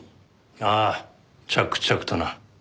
ああ着々とな。